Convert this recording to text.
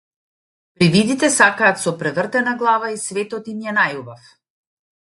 Привидите сакаат со превртена глава и светот им е најубав.